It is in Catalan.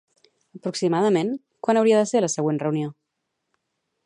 Aproximadament, quan hauria de ser la següent reunió?